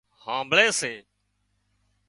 هانمڀۯي سي